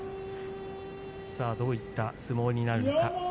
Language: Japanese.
どういった相撲になるのか。